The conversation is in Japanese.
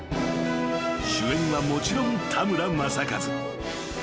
［主演はもちろん田村正和］